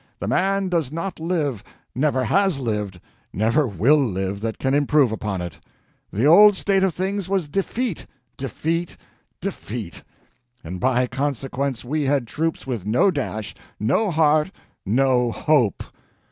The man does not live, never has lived, never will live, that can improve upon it! The old state of things was defeat, defeat, defeat—and by consequence we had troops with no dash, no heart, no hope.